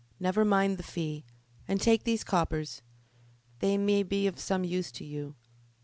"Never mind the fee, and take these coppers. They may be of some use to you.